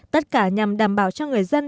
tất cả nhằm đảm bảo cho người dân